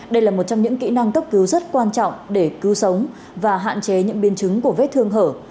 đây là một trong những kỹ năng cấp cứu rất quan trọng để cứu sống và hạn chế những biến chứng của vết thương hở